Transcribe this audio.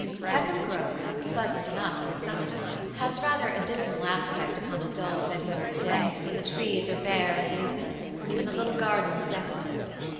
Peckham Grovepleasant enough in the summer timehas rather a dismal aspect upon a dull February day, when the trees are bare and leafless, and the little gardens desolate.